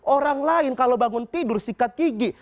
orang lain kalau bangun tidur sikat gigi